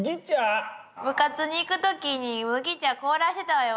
部活に行く時に麦茶凍らせたわよ